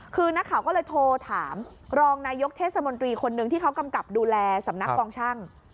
คือนักข่าวก็เลยโทรถามรองนายกเทศมนตรีคนหนึ่งที่เขากำกับดูแลสำนักกองช่าง